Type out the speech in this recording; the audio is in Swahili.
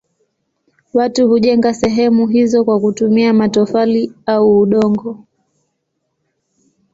Watu hujenga sehemu hizo kwa kutumia matofali au udongo.